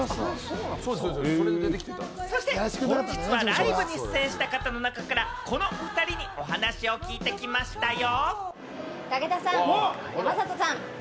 そして本日はライブに出演した方の中からこの２人にお話を聞いてきましたよ。